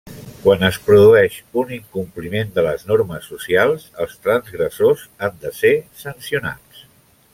Quan es produeix un incompliment de les normes socials, els transgressors han de ser sancionats.